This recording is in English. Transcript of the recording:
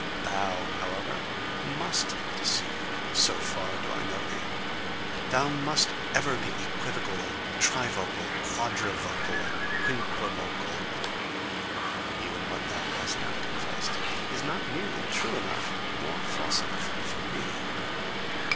Thou, however, MUST deceive: so far do I know thee! Thou must ever be equivocal, trivocal, quadrivocal, and quinquivocal! Even what thou hast now confessed, is not nearly true enough nor false enough for me!